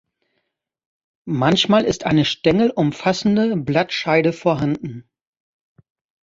Manchmal ist eine stängelumfassende Blattscheide vorhanden.